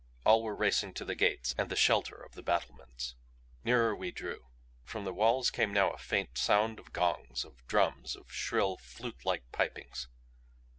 All were racing to the gates and the shelter of the battlements. Nearer we drew. From the walls came now a faint sound of gongs, of drums, of shrill, flutelike pipings.